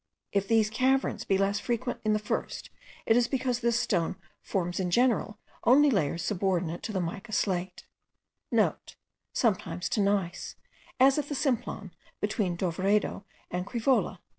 If these caverns be less frequent in the first, it is because this stone forms in general only layers subordinate to the mica slate,* (* Sometimes to gneiss, as at the Simplon, between Dovredo and Crevola.)